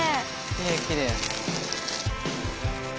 きれいきれい。